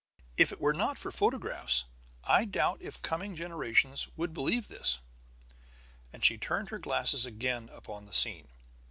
"If it were not for photographs, I doubt if coming generations would believe this." And she turned her glasses again upon the scene.